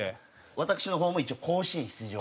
私の方も一応甲子園出場を。